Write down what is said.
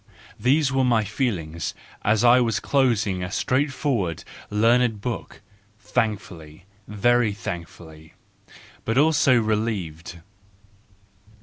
—These were my feelings as 1 was closing a straightforward, learned book, thankful, very thankful, but also relieved.